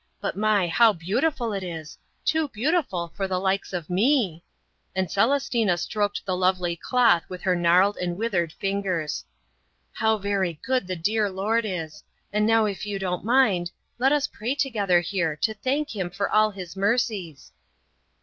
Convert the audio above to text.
But my, how beautiful it is, too beautiful for the likes of me!" And Celestina stroked the lovely cloth with her gnarled and withered fingers. "How very good the dear Lord is! And now if you don't mind, let us pray together here to thank Him for all His mercies."